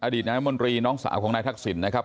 ดีตนายมนตรีน้องสาวของนายทักษิณนะครับ